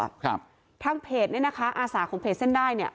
ครับทางเพจเนี้ยนะคะอาสาของเพจเส้นได้เนี่ย